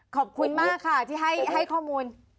ขอบคุณมากค่ะที่ให้ข้อมูล